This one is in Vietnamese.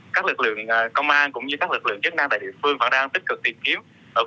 các lực lượng công an cũng như các lực lượng chức năng tại địa phương vẫn đang tích cực tìm kiếm